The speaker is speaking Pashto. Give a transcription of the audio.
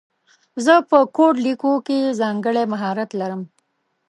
زه په کوډ لیکلو کې ځانګړی مهارت لرم